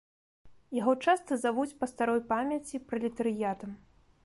Яго часта завуць па старой памяці пралетарыятам.